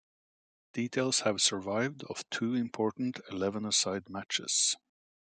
Details have survived of two important eleven-a-side matches.